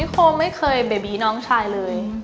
โคไม่เคยเบบีน้องชายเลย